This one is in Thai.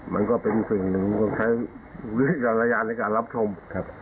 มันก็เป็นสิ่งหนึ่งใช้รายละยานในการรับชมนะครับผม